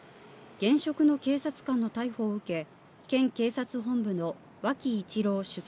現職の警察官の逮捕を受け、県警察本部の脇一朗首席